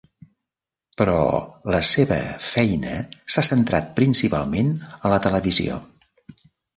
Però la seva feina s'ha centrat principalment a la televisió.